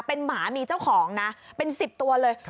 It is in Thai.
เป็นหมามีเจ้าของนะเป็น๑๐ตัวเลย